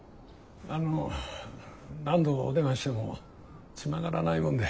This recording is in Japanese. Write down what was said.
あの何度お電話してもつながらないもんで。